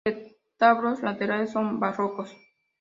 Los retablos laterales son barrocos.